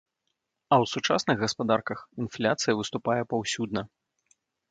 А ў сучасных гаспадарках інфляцыя выступае паўсюдна.